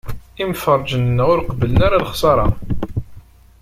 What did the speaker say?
Imferrǧen-nneɣ ur qebblen ara lexṣara.